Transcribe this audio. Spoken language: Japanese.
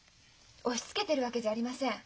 押しつけてるわけじゃありません。